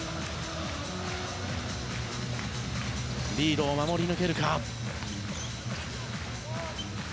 リードを守り抜けるか。